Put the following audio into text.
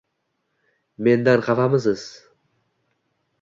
Mendan xafamisiz?